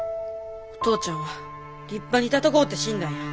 お父ちゃんは立派に戦うて死んだんや。